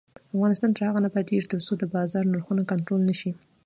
افغانستان تر هغو نه ابادیږي، ترڅو د بازار نرخونه کنټرول نشي.